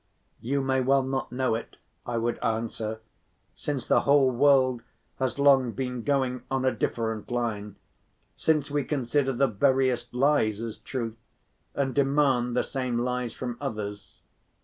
"You may well not know it," I would answer, "since the whole world has long been going on a different line, since we consider the veriest lies as truth and demand the same lies from others.